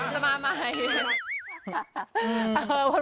จะมามั้ย